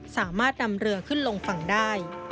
สามารถนำเรือขึ้นลงฝั่งได้